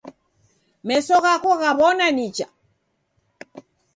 Meso ghako ghaw'ona nicha?